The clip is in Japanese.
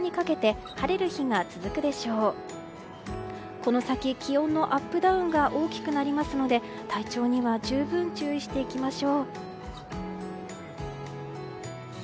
この先、気温のアップダウンが大きくなりますので体調には十分注意していきましょう。